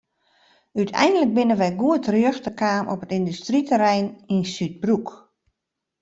Uteinlik binne wy goed terjochte kaam op it yndustryterrein yn Súdbroek.